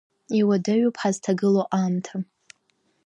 Иуадаҩуп ҳазҭагылоу аамҭа.